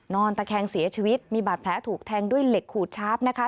ตะแคงเสียชีวิตมีบาดแผลถูกแทงด้วยเหล็กขูดชาร์ฟนะคะ